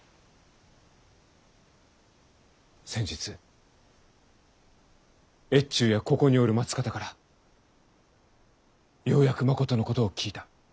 先日越中やここにおる松方からようやくまことのことを聞いた。